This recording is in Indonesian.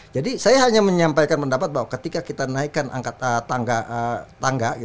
jadi saya hanya menyampaikan pendapat bahwa ketika kita naikkan tangga